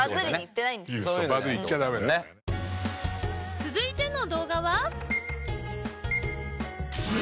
続いての動画は。